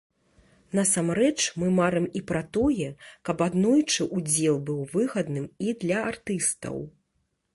Насамрэч, мы марым і пра тое, каб аднойчы удзел быў выгадным і для артыстаў.